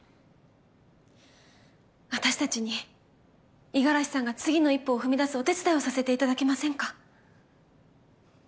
私たちに五十嵐さんが次の一歩を踏み出すお手伝いをさせていただけませんか？